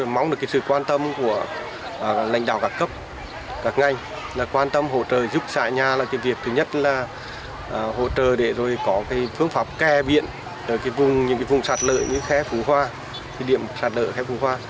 móng được sự quan tâm của lãnh đạo các cấp các ngành quan tâm hỗ trợ giúp xã nhà là việc thứ nhất là hỗ trợ để có phương pháp khe biển vùng sạt lợi như khé phú hoa điểm sạt lợi khé phú hoa